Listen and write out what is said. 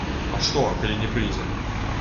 А што, калі не прыйдзе?